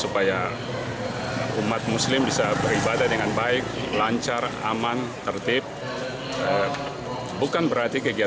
kita bertolak dari program kita ya